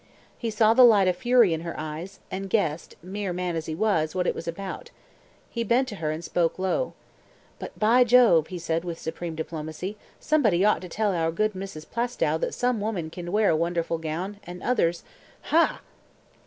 He saw the light of fury in her eyes, and guessed, mere man as he was, what it was about. He bent to her and spoke low. "But, by Jove!" he said with supreme diplomacy, "somebody ought to tell our good Mrs. Plaistow that some women can wear a wonderful gown and others ha!"